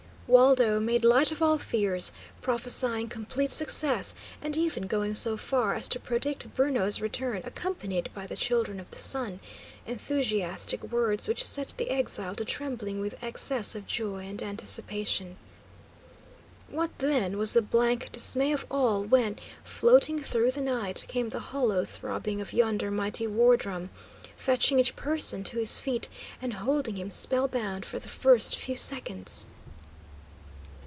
Waldo made light of all fears, prophesying complete success, and even going so far as to predict Bruno's return accompanied by the Children of the Sun; enthusiastic words which set the exile to trembling with excess of joy and anticipation. What, then, was the blank dismay of all when, floating through the night, came the hollow throbbing of yonder mighty war drum, fetching each person to his feet and holding him spellbound for the first few seconds.